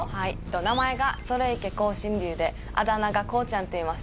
名前がそれいけ光神龍であだ名がこうちゃんっていいます。